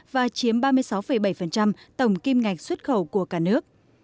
và chiếm ba mươi sáu bảy tổng kim ngạch xuất khẩu của cả nước